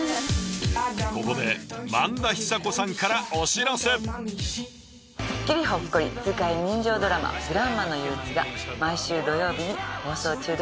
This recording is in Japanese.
ここですっきりほっこり痛快人情ドラマ「グランマの憂鬱」が毎週土曜日に放送中です。